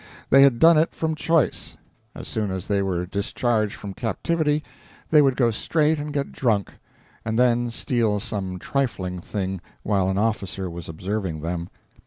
They had done it from choice. As soon as they were discharged from captivity they would go straight and get drunk, and then steal some trifling thing while an officer was observing them.